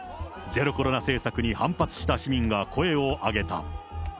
ゼロコロナ政策に反発した市民が声を上げた。